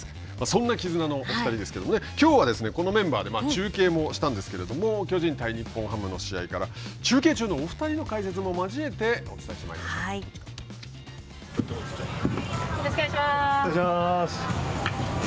そんな絆のお二人ですけれどもきょうはこのメンバーで、中継もしたんですけれども、巨人対日本ハムの試合から中継中のお二人の解説も交えておよろしくお願いします。